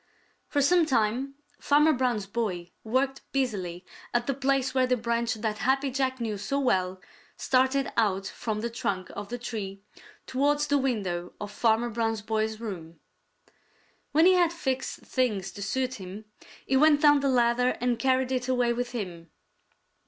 For some time Farmer Brown's boy worked busily at the place where the branch that Happy Jack knew so well started out from the trunk of the tree towards the window of Farmer Brown's boy's room. When he had fixed things to suit him, he went down the ladder and carried it away with him.